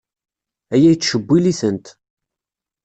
Aya yettcewwil-itent.